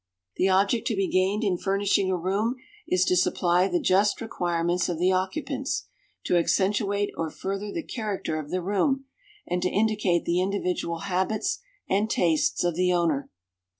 The object to be gained in furnishing a room is to supply the just requirements of the occupants, to accentuate or further the character of the room, and to indicate the individual habits and tastes of the owner.